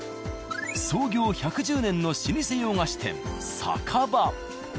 創業１１０年の老舗洋菓子店「Ｓａｋａｂａ」。